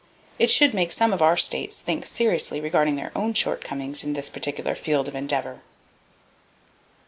It should make some of our States think seriously regarding their own shortcomings in this particular field of endeavor.